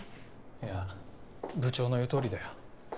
いや部長の言う通りだよ。